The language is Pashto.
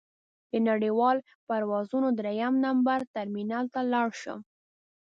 د نړیوالو پروازونو درېیم نمبر ټرمینل ته لاړ شم.